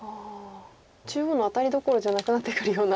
中央のアタリどころじゃなくなってくるような。